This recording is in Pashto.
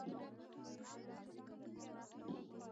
ازادي راډیو د سیاست د راتلونکې په اړه وړاندوینې کړې.